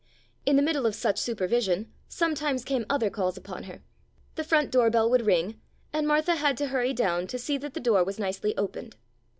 In the middle of such supervision sometimes came other calls upon her, the front door bell would ring, and Martha had to hurry down to see that the door was nicely opened.